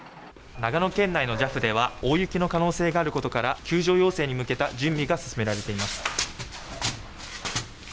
長野県内のＪＡＦでは、大雪の可能性があることから、救助要請に向けた準備が進められています。